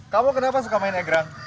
kamu kenapa suka main egrang